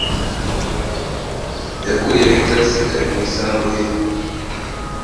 Yakuyeho ibyasigaye mu isambu ye.